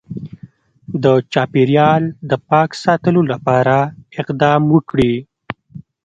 د چاپیریال د پاک ساتلو لپاره اقدام وکړي